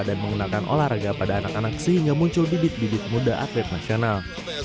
dan mengenalkan olahraga pada anak anak sehingga muncul bibit bibit muda atlet nasional